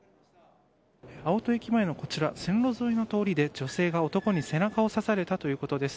青砥駅前の線路沿いの通りで女性が男に背中を刺されたということです。